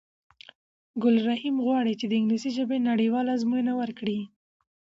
ګل رحیم غواړی چې د انګلیسی ژبی نړېواله آزموینه ورکړی